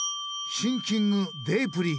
シンキングデープリー。